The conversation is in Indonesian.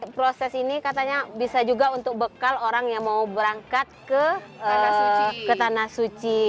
proses ini katanya bisa juga untuk bekal orang yang mau berangkat ke tanah suci